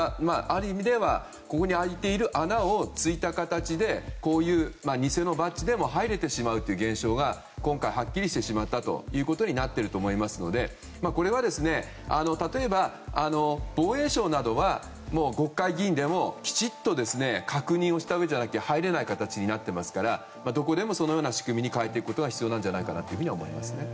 ある意味ではここに空いている穴を突いた形で偽のバッジでも入れてしまうという現象が今回、はっきりしてしまったということになっていると思いますのでこれは、例えば防衛省などは国会議員でもきちっと確認をしたうえじゃなきゃ入れない形になっていますからどこでもそのような仕組みに変えていくことが必要じゃないかと思います。